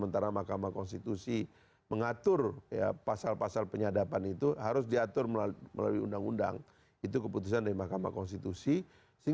terima kasih pak faris